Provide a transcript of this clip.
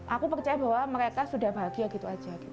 aku percaya bahwa mereka sudah bahagia gitu aja